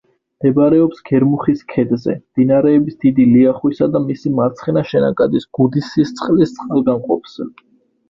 მდებარეობს გერმუხის ქედზე, მდინარეების დიდი ლიახვისა და მისი მარცხენა შენაკადის გუდისისწყლის წყალგამყოფზე.